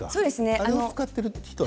あれを使っている人は？